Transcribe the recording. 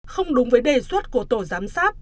không đúng với đề xuất của tổ giám sát